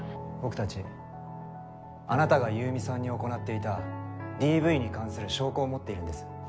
僕たちあなたが優美さんに行っていたＤＶに関する証拠を持っているんです。